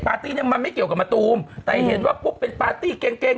ปาร์ตี้เนี้ยมันไม่เกี่ยวกับมาตูมแต่เห็นว่าปุ๊บเป็นปาร์ตี้เกรงเกรง